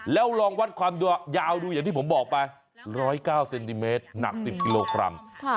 แล้วลองวัดความยาวดูอย่างที่ผมบอกไป๑๐๙เซนติเมตรหนัก๑๐กิโลกรัม